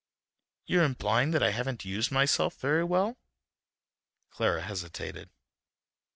"You're implying that I haven't used myself very well?" Clara hesitated.